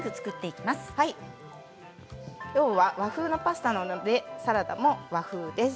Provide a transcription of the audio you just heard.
きょうは和風パスタなのでサラダも和風です。